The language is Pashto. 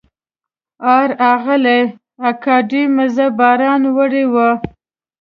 آر راغلي ګاډي مزه باران وړې وه.